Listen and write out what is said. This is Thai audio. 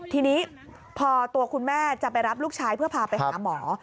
ทีนี้พอตัวคุณแม่จะไปรับลูกชายเพื่อพาไปหาหมอ